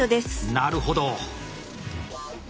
なるほど。